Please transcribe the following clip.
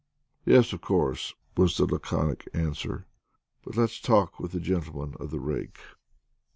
"Yes, of course," was the laconic answer; "but let's talk with the gentleman of the rake."